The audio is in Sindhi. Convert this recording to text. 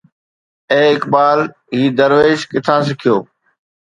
اي اقبال هي درويش ڪٿان سکيو؟